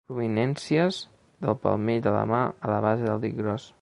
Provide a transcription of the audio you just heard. Prominències del palmell de la mà a la base del dit gros.